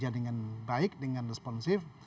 ya dengan baik dengan responsif